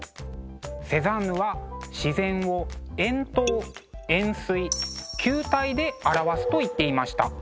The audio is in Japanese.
セザンヌは自然を円筒円すい球体で表すと言っていました。